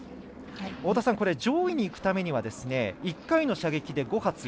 太田さん、これ上位にいくためには１回の射撃で５発